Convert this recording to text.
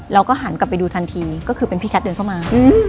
เราก็หันกลับไปดูทันทีก็คือเป็นพี่แคทเดินเข้ามา